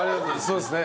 そうですね。